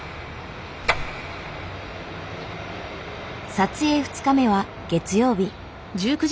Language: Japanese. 撮影２日目は月曜日。